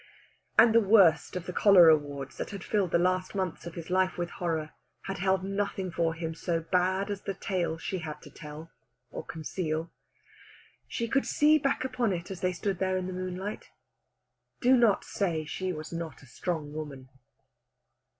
And the worst of the cholera wards that had filled the last months of his life with horror had held nothing for him so bad as the tale she had to tell or conceal. She could see back upon it as they stood there in the moonlight. Do not say she was not a strong woman.